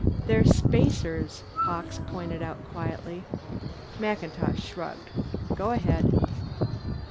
"They're spacers," Hawkes pointed out quietly. MacIntosh shrugged. "Go ahead."